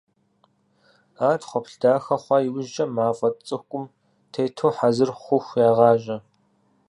Ар тхъуэплъ дахэ хъуа иужькӀэ, мафӀэ цӀыкӀум тету хьэзыр хъуху ягъажьэ.